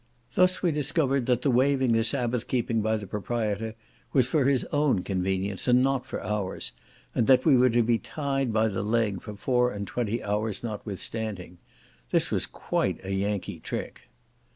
Thus we discovered that the waiving the sabbath keeping by the proprietor, was for his own convenience, and not for ours, and that we were to be tied by the leg for four and twenty hours notwithstanding. This was quite a Yankee trick.